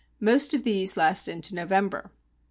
Most of these last into November.